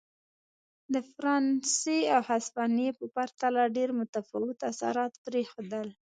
د فرانسې او هسپانیې په پرتله ډېر متفاوت اثرات پرېښودل.